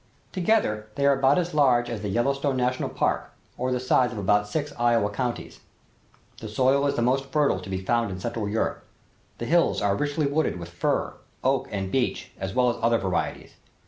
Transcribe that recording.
Together they are about as large as the Yellowstone National Park, or the size of about six Iowa counties. The soil is the most fertile to be found in Central Europe. The hills are richly wooded with fir, oak and beech, as well as other varieties.